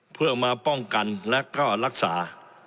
เพื่อมาป้องกันและก็รักษา